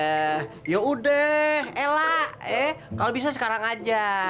eee yaudah ella ee kalau bisa sekarang aja